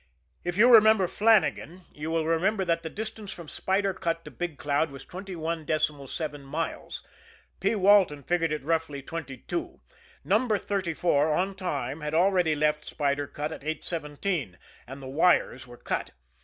If you remember Flannagan, you will remember that the distance from Spider Cut to Big Cloud was twenty one decimal seven miles. P. Walton figured it roughly twenty two. No. 34, on time, had already left Spider Cut at 8.17 and the wires were cut.